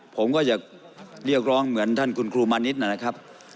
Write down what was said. ผมก็อยากเรียกร้องเหมือนท่านคุณครูมานิดนะครับ